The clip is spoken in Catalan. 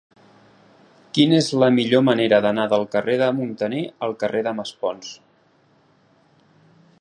Quina és la millor manera d'anar del carrer de Muntaner al carrer de Maspons?